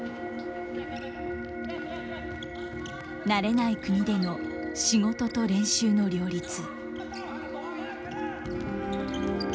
慣れない国での仕事と練習の両立。